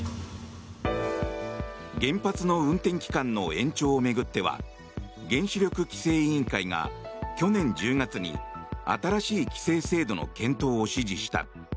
原発の運転期間の延長を巡っては原子力規制委員会が去年１０月に新しい規制制度の検討を指示した。